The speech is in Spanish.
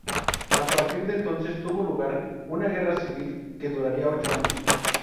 A partir de entonces tuvo lugar una guerra civil que duraría ocho años.